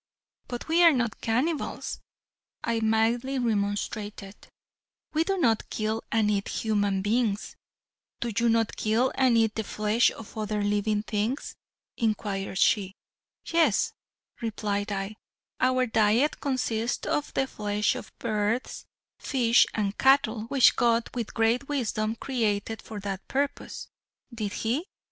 "But we are not cannibals," I mildly remonstrated, "we do not kill and eat human beings." "Do you not kill and eat the flesh of other living things?" inquired she. "Yes," replied I, "our diet consists of the flesh of birds, fish and cattle which God with great wisdom created for that purpose." "Did he?